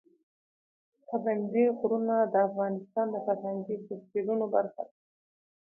پابندی غرونه د افغانستان د فرهنګي فستیوالونو برخه ده.